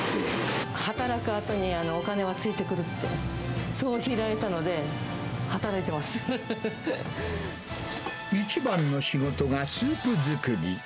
働くあとにはお金はついてくるって、そう教えられたので、一番の仕事がスープ作り。